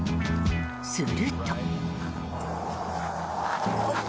すると。